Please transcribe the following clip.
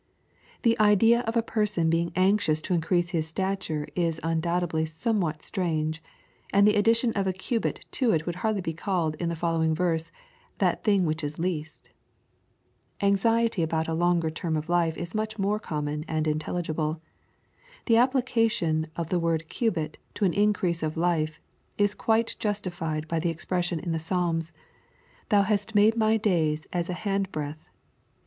The idea of a person being anxious to increase his stature is undoubtedly some what, strange, and the addition of a cubit to it would hardly be called in the following verse " that thing which is least." — ^Anxiety about a longer term of life is much more common and intelligible. The appUcation of the word " cubit" to an increase of life, is quite justified by the expression in the Psalms, " Thou hast made my days as an hand breadth."